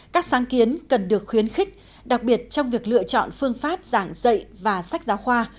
các sáng kiến cần được khuyến khích đặc biệt trong việc lựa chọn phương pháp giảng dạy và sách giáo khoa